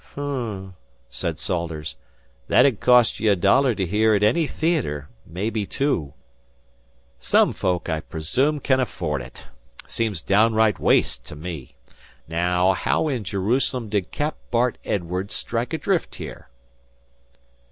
"H'm," said Salters; "that 'u'd cost ye a dollar to hear at any theatre maybe two. Some folk, I presoom, can afford it. 'Seems downright waste to me. ... Naow, how in Jerusalem did Cap. Bart Edwardes strike adrift here?"